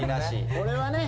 これはね